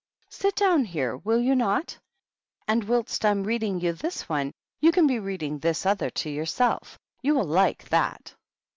Sit down here, will you not ? and whilst I am reading you this one, you can be reading this other to yourself. You will like that."